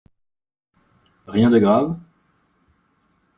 Rien de grave ?